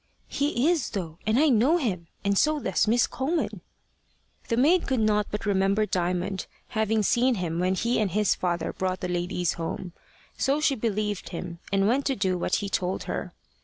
"He is, though; and I know him, and so does Miss Coleman." The maid could not but remember Diamond, having seen him when he and his father brought the ladies home. So she believed him, and went to do what he told her.